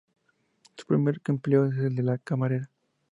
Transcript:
Su primero empleo es el de camarera.